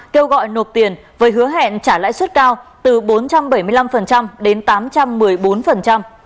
kêu gọi nộp tiền với hứa hẹn trả lãi suất cao từ bốn trăm bảy mươi năm đến tám trăm một mươi bốn